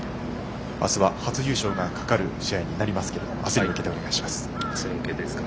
明日は初優勝がかかる試合になりますけども明日に向けてお願いします。